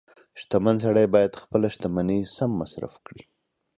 • شتمن سړی باید خپله شتمني سم مصرف کړي.